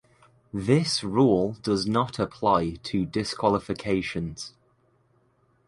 This rule does not apply to disqualifications.